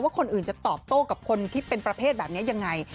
คนอื่นจะตอบโต้กับคนที่เป็นประเภทแบบนี้ยังไง